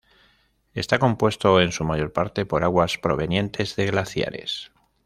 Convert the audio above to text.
Está compuesto en su mayor parte por aguas provenientes de glaciares.